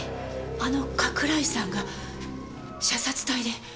あの加倉井さんが射殺体で！？